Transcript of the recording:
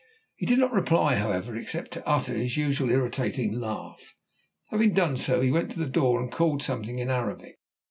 He did not reply, however, except to utter his usual irritating laugh. Having done so he went to the door and called something in Arabic.